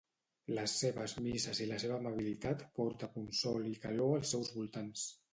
Les seves misses i la seva amabilitat porta consol i calor als seus voltants.